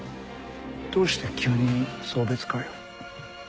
どうして急に送別会を？